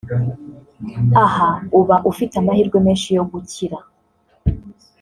aha uba ufite amahirwe menshi yo gukira